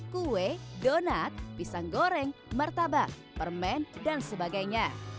kue donat pisang goreng martabak permen dan sebagainya